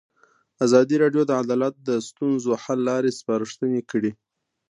ازادي راډیو د عدالت د ستونزو حل لارې سپارښتنې کړي.